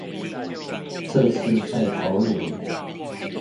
這次在桃園